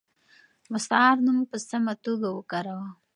مستعار نوم په سمه توګه وکاروه.